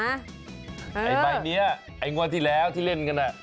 ไอ้ใบนี้ไอ้งวดที่แล้วที่เล่นกัน